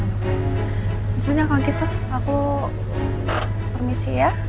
misalnya kalau gitu aku permisi ya